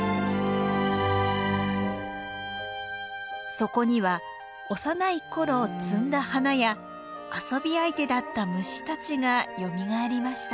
そこには幼い頃摘んだ花や遊び相手だった虫たちがよみがえりました。